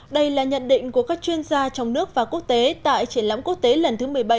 đây là nhận định của các chuyên gia trong nước và quốc tế tại triển lãm quốc tế lần thứ một mươi bảy